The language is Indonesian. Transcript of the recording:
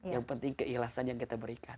yang penting keikhlasan yang kita berikan